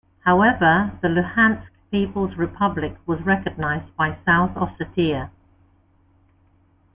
However, the Luhansk People's Republic was recognized by South Ossetia.